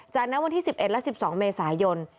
จากนั้นวันที่๑๑และ๑๒เมษายน